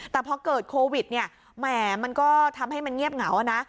แต่พอเกิดโควิดเนี่ยแหมมันก็ทำให้มันเงียบเหงานะ